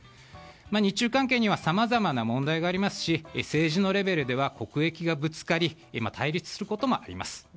日中関係にはさまざまな問題がありますし政治のレベルでは国益がぶつかり対立することもあります。